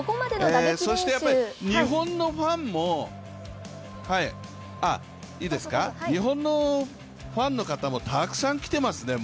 そして、日本のファンの方もたくさん来ていますね。